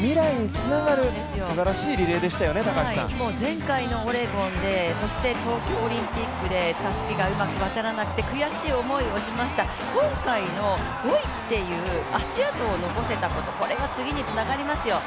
前回のオレゴンで、そして東京オリンピックでたすきがうまく渡らなくて悔しい思いをしました、今回の５位っていう足跡を残せたこと、これが次につながりますよ。